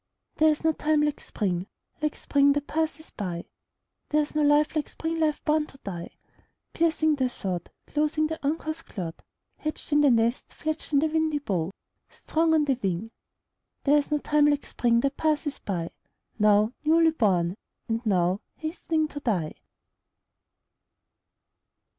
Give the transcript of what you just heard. There is no time like Spring, Like Spring that passes by; There is no life like Spring life born to die, Piercing the sod, Clothing the uncouth clod, Hatched in the nest, Fledged on the windy bough, Strong on the wing: There is no time like Spring that passes by, Now newly born, and now Hastening to die.